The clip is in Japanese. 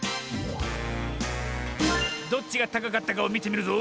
どっちがたかかったかをみてみるぞ。